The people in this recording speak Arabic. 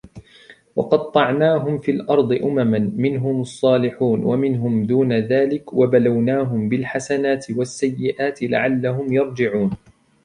وَقَطَّعْنَاهُمْ فِي الْأَرْضِ أُمَمًا مِنْهُمُ الصَّالِحُونَ وَمِنْهُمْ دُونَ ذَلِكَ وَبَلَوْنَاهُمْ بِالْحَسَنَاتِ وَالسَّيِّئَاتِ لَعَلَّهُمْ يَرْجِعُونَ